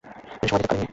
তিনি সময় দিতে পারেননি।